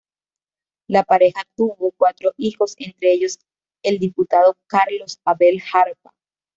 La pareja tuvo cuatro hijos, entre ellos el diputado Carlos Abel Jarpa.